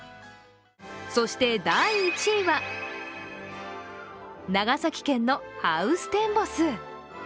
そして第１位は、長崎県のハウステンボス。